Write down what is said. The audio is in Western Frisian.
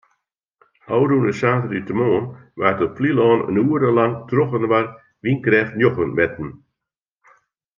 Ofrûne saterdeitemoarn waard op Flylân in oere lang trochinoar wynkrêft njoggen metten.